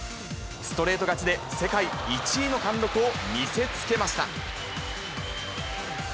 ストレート勝ちで、世界１位の貫禄を見せつけました。